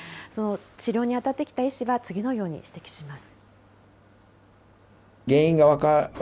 治療に当たってきた医師は次のように指摘します。